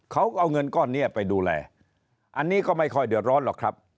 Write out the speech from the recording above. เขาก็เอาเงินก้อนนี้ไปดูแลอันนี้ก็ไม่ค่อยเดือดร้อนหรอกครับ